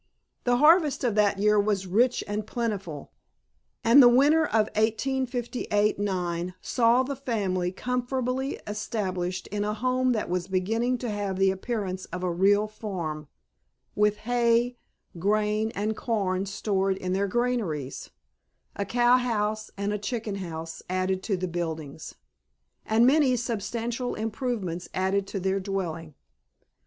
The harvest of that year was rich and plentiful, and the winter of 1858 9 saw the family comfortably established in a home that was beginning to have the appearance of a real farm, with hay, grain and corn stored in their granaries, a cow house and chicken house added to the buildings, and many substantial improvements added to their dwelling.